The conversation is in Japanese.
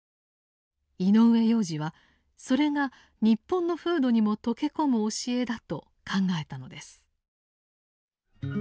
井上洋治はそれが日本の風土にも溶け込む教えだと考えたのです。